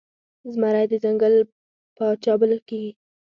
زمری د ځنګل پاچا بلل کیږي